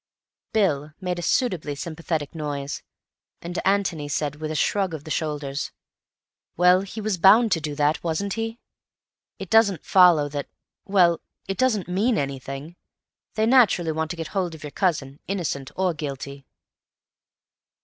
Bill made a suitably sympathetic noise, and Antony said with a shrug of the shoulders, "Well, he was bound to do that, wasn't he? It doesn't follow that—well, it doesn't mean anything. They naturally want to get hold of your cousin, innocent or guilty."